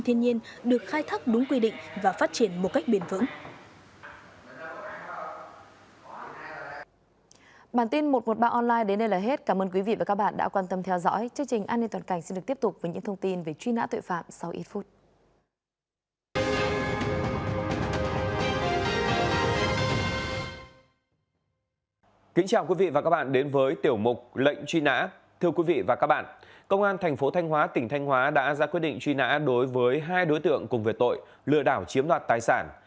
tỉnh thanh hóa đã ra quyết định truy nã đối với hai đối tượng cùng việc tội lừa đảo chiếm đoạt tài sản